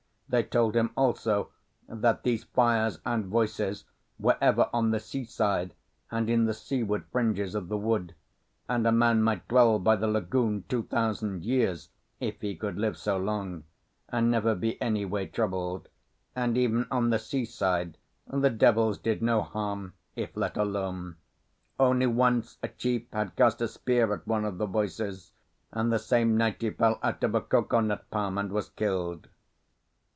They told him also that these fires and voices were ever on the seaside and in the seaward fringes of the wood, and a man might dwell by the lagoon two thousand years (if he could live so long) and never be any way troubled; and even on the seaside the devils did no harm if let alone. Only once a chief had cast a spear at one of the voices, and the same night he fell out of a cocoanut palm and was killed.